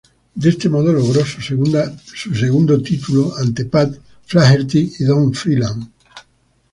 De este modo, logró su segundo título ante Pat Flaherty y Don Freeland.